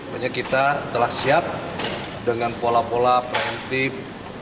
hanya kita telah siap dengan pola pola preventif